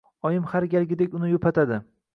Oyim har galgidek uni yupatadi.